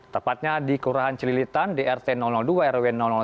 tepatnya di kelurahan celilitan di rt dua rw tujuh